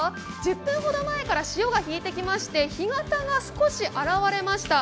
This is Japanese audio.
１０分ほど前から潮が引いてきまして干潟が少し現れました。